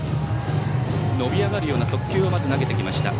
伸び上がるような速球をまず投げてきました。